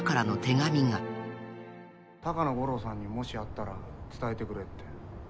「高野吾郎さんにもし会ったら伝えてくれって」